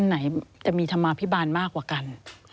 ไหนจะมีธรรมาภิบาลมากกว่ากัน